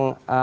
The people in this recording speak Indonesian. di jawa timur